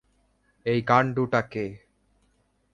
এই গান্ডুটা কে?